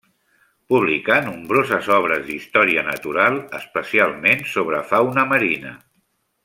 Publicà nombroses obres d'història natural, especialment sobre fauna marina.